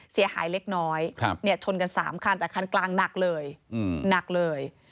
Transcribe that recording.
เสียหายเล็กน้อยชนกัน๓คันแต่คันกลางหนักเลยหนักเลย